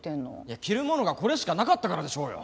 着るものがこれしかなかったからでしょうよ。